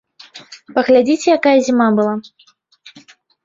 Паглядзіце, якая зіма была.